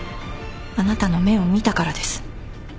あなたの目を見たからです。